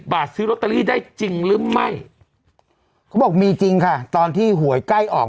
๘๐บาทซื้อได้หรือไม่เขาบอกมีจริงค่ะตอนที่หวยใกล้ออก